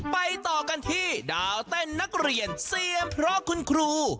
ต่อกันที่ดาวเต้นนักเรียนเซียมเพราะคุณครู